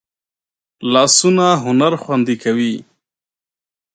لاسونه هنر خوندي کوي